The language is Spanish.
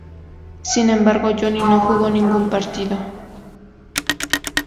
Sin embargo, Johnny no jugó ningún partido.